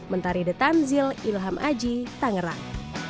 mentari the tanzil ilham aji tangerang